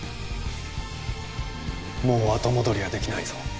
もう後戻りはできないぞ